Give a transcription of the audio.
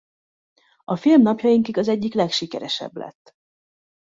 A film napjainkig az egyik legsikeresebb lett.